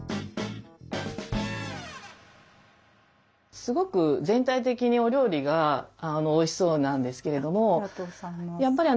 すごく全体的にお料理がおいしそうなんですけれども。